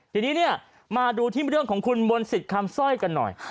ทีนี้เนี่ยมาดูที่เรื่องของคุณมนต์สิทธิ์คำสร้อยกันหน่อย